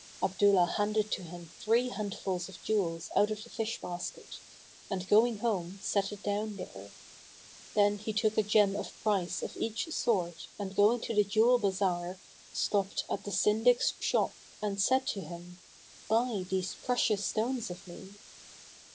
Abdullah handed to him three handfuls of jewels out of the fish basket and going home, set it down there. Then he took a gem of price of each sort and going to the jewel bazar, stopped at the Syndic's shop and said to him, "Buy these precious stones of me."